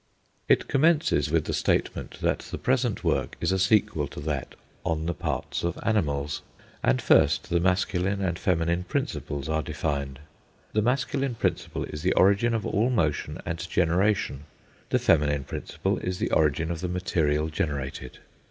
" It commences with the statement that the present work is a sequel to that "On the Parts of Animals;" and first the masculine and feminine principles are defined. The masculine principle is the origin of all motion and generation; the feminine principle is the origin of the material generated.